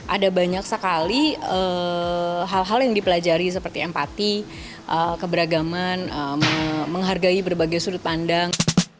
ada banyak sekali hal hal yang dipelajari seperti empati keberagaman menghargai berbagai sudut pandang